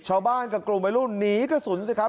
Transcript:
ชาวบ้านกับกลุ่มวัยรุ่นหนีกระสุนสิครับ